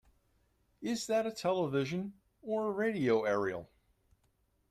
Is that a television or a radio aerial?